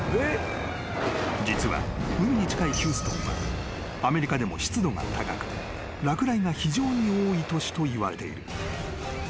［実は海に近いヒューストンはアメリカでも湿度が高く落雷が非常に多い都市といわれている］